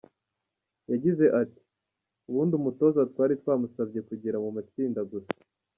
Yagize ati: “Ubundi umutoza twari twamusabye kugera mu matsinda gusa.